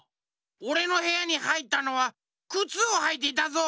おれのへやにはいったのはくつをはいていたぞ！